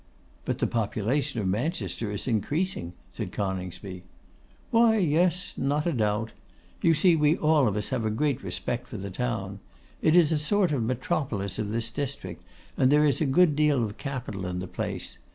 'But the population of Manchester is increasing,' said Coningsby. 'Why, yes; not a doubt. You see we have all of us a great respect for the town. It is a sort of metropolis of this district, and there is a good deal of capital in the place.